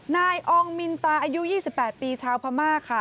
นายอองมินตาอายุ๒๘ปีชาวพม่าค่ะ